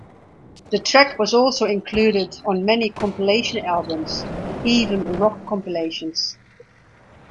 The track was also included on many compilation albums, even rock compilations.